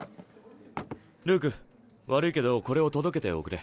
ルーク悪いけどこれを届けておくれ。